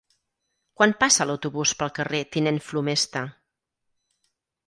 Quan passa l'autobús pel carrer Tinent Flomesta?